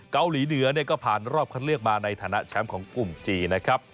เกาหลีเหนือเนี่ยก็ผ่านรอบคัดเลือกมาในฐานะแชมป์ของกลุ่มจีนนะครับ